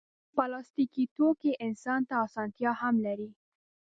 پلاستيکي توکي انسان ته اسانتیا هم لري.